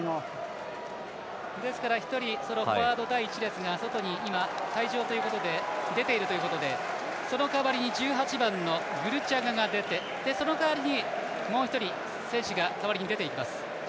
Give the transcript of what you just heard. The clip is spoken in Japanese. ですから、フォワード第１列が外に出ているということでその代わりに１８番のグルチャガが出てその代わりにもう１人選手が代わりに出ていきます。